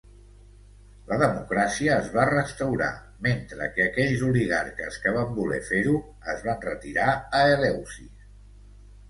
La democràcia es va restaurar, mentre que aquells oligarques que van voler fer-ho es van retirar a Eleusis.